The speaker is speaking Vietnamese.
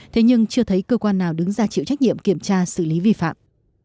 thế nhưng chưa thấy cơ quan nào đứng ra chịu trách nhiệm kiểm tra xử lý vi phạm